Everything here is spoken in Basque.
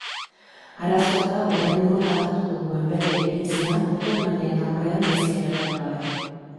Arazoa da orain nola aldatuko duen bere iritzia boto-emaileen aurrean gaizki geratu gabe.